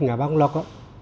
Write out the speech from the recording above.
ngã ba ngọc lộc